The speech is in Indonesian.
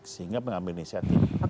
sehingga mengambil inisiatif